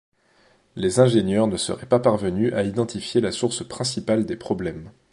Les ingénieurs ne seraient pas parvenus à identifier la source principale des problèmes.